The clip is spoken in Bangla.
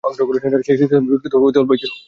সেই খ্রীষ্টধর্মে বিকৃতভাব অতি অল্পই ছিল।